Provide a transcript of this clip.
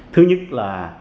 thứ nhất là